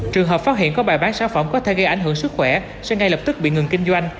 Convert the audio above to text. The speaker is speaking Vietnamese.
trường hợp phát hiện có bài bán sản phẩm có thể gây ảnh hưởng sức khỏe sẽ ngay lập tức bị ngừng kinh doanh